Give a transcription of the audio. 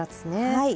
はい。